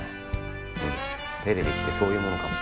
うんテレビってそういうものかも。